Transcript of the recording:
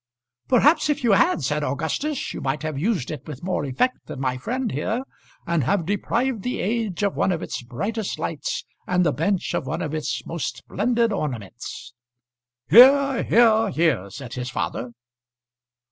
"Perhaps if you had," said Augustus, "you might have used it with more effect than my friend here, and have deprived the age of one of its brightest lights, and the bench of one of its most splendid ornaments." "Hear, hear, hear!" said his father.